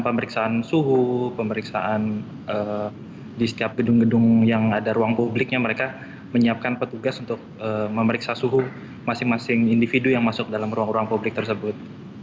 pemeriksaan suhu pemeriksaan di setiap gedung gedung yang ada ruang publiknya mereka menyiapkan petugas untuk memeriksa suhu masing masing individu yang masuk dalam ruang ruang publik tersebut